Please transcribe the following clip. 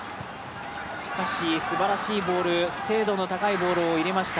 しかしすばらしいボール、精度の高いボールを入れました。